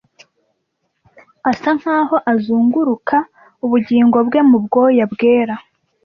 asa nkaho azunguruka ubugingo bwe mu bwoya bwera